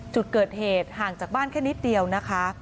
จุดเกิดเหตุห่างจากบ้านแค่นิดเดียวนะคะ